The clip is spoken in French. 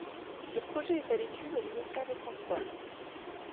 Le projet est à l’étude au ministère des transports.